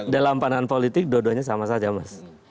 dalam pandangan politik dua duanya sama saja mas